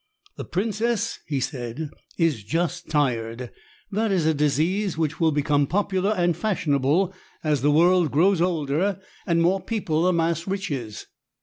"The princess," he said, "is just tired. That is a disease which will become popular and fashionable as the world grows older and more people amass riches.